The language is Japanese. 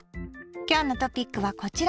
今日のトピックはこちら。